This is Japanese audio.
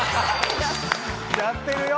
やってるよ！